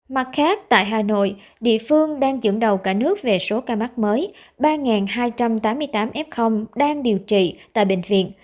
mặt khác tại hà nội địa phương đang dẫn đầu cả nước về số ca mắc mới ba hai trăm tám mươi tám f đang điều trị tại bệnh viện